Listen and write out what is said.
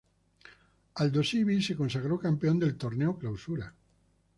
Aldosivi se consagró campeón del Torneo Clausura.